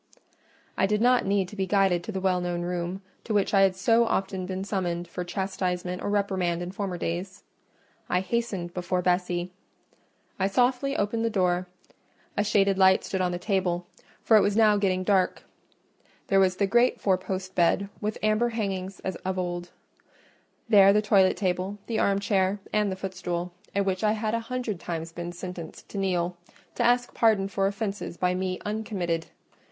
I did not need to be guided to the well known room, to which I had so often been summoned for chastisement or reprimand in former days. I hastened before Bessie; I softly opened the door: a shaded light stood on the table, for it was now getting dark. There was the great four post bed with amber hangings as of old; there the toilet table, the armchair, and the footstool, at which I had a hundred times been sentenced to kneel, to ask pardon for offences by me uncommitted.